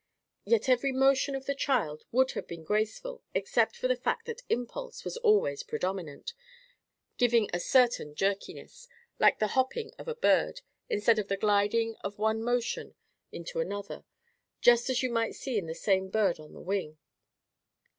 Yet every motion of the child would have been graceful, except for the fact that impulse was always predominant, giving a certain jerkiness, like the hopping of a bird, instead of the gliding of one motion into another, such as you might see in the same bird on the wing.